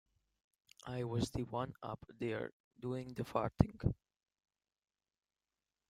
I was the one up there doing the farting.